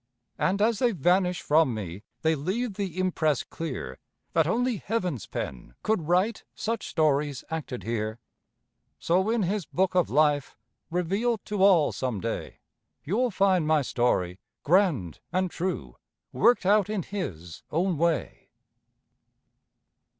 And as they vanish from me They leave the impress clear, That only Heaven's pen could write Such stories acted here. So in His book of life, Revealed to all some day, You'll find my story grand and true, Worked out in His own way.